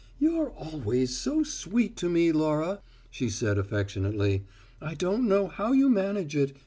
"You're always so sweet to me, Laura," she said affectionately. "I don't know how you manage it.